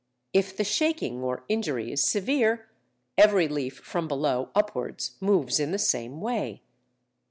If the shaking or injury is severe, every leaf from below upwards moves in the same way.